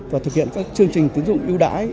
và thực hiện các chương trình tính dụng ưu đại